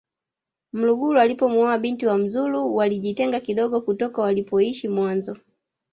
mlugulu alipomuoa binti wa mzulu waligitenga kidogo kutoka walipoishi mwanzo